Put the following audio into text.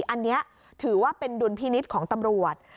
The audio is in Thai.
อันนี้ถือว่าเป็นดุลพินิษฐ์ของตำรวจ